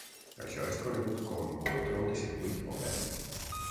Això és conegut com control de circuit obert.